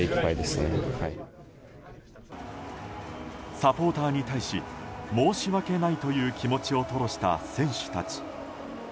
サポーターに対し申し訳ないという気持ちを吐露した選手たち。